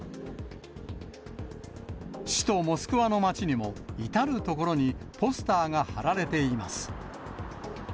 首都モスクワの街にも、至る所にポスターが貼られています。